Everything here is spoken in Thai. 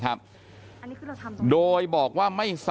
อยู่ดีมาตายแบบเปลือยคาห้องน้ำได้ยังไง